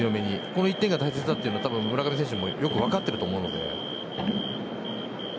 この１点が大切なのは村上選手もよく分かってると思うので。